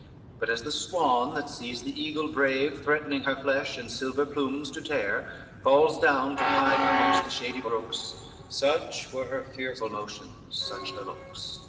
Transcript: But, as the swan, that sees the eagle brave Threatening her flesh and silver plumes to tear, Falls down, to hide her mongst the shady brooks: Such were her fearful motions, such her looks.